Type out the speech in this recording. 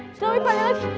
eh snowy balik lagi